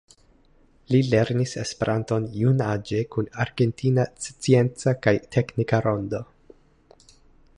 Li lernis esperanton junaĝe kun Argentina Scienca kaj Teknika Rondo.